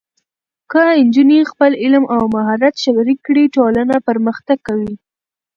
که نجونې خپل علم او مهارت شریک کړي، ټولنه پرمختګ کوي.